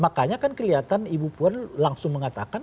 makanya kan kelihatan ibu puan langsung mengatakan